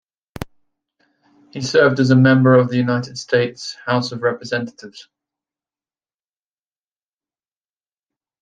He served as a member of the United States House of Representatives.